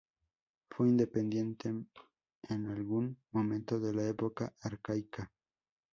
Fue independiente en algún momento de la Época arcaica.